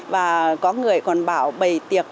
và có người còn bảo bày tiệc